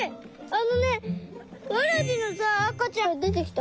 あのねワラジのさあかちゃんがでてきた！